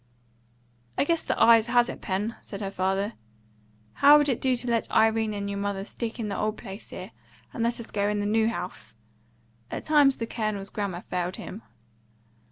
"I guess the ayes has it, Pen," said her father. "How would it do to let Irene and your mother stick in the old place here, and us go into the new house?" At times the Colonel's grammar failed him.